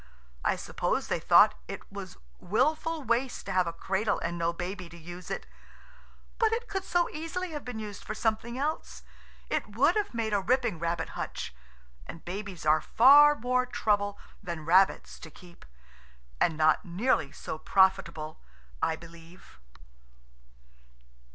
I suppose they thought it was wilful waste to have a cradle and no baby to use it. But it could so easily have been used for something else. It would have made a ripping rabbit hutch, and babies are far more trouble than rabbits to keep, and not nearly so profitable, I believe.